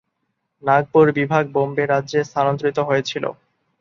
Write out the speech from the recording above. নাগপুর বিভাগ বোম্বে রাজ্যে স্থানান্তরিত হয়েছিল।